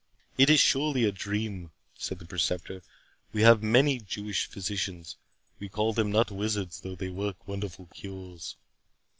"It is surely a dream," said the Preceptor; "we have many Jewish physicians, and we call them not wizards though they work wonderful cures."